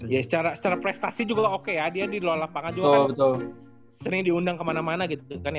ya secara prestasi juga oke ya dia di luar lapangan juga kan sering diundang kemana mana gitu kan